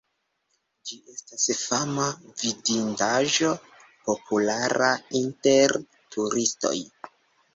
Ĝi estas fama vidindaĵo, populara inter turistoj.